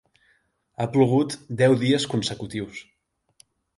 Ha plogut deu dies consecutius.